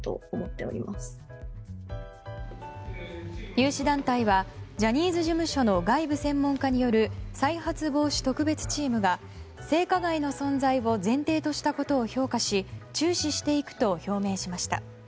有志団体はジャニーズ事務所の外部専門家による再発防止特別チームが性加害の存在を前提としたことを評価し注視していくと表明しました。